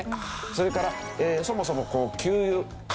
それからそもそも給油過疎地。